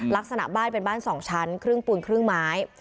ลักษณะบ้านเป็นบ้าน๒ชั้นครึ่งปูนครึ่งไม้